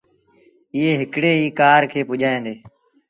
ايئي هڪڙيٚ ڪآر کي ڀڄآيآندي۔